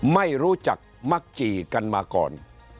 ไม่รู้จักมักจีกันมาก่อน